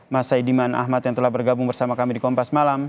mas saidiman ahmad yang telah bergabung bersama kami di kompas malam